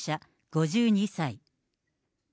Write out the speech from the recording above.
５２歳。